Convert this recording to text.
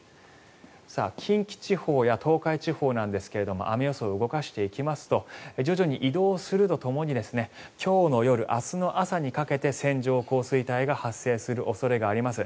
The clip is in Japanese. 近畿地方や東海地方なんですが雨予想、動かしていきますと徐々に移動するとともに今日の夜、明日の朝にかけて線状降水帯が発生する恐れがあります。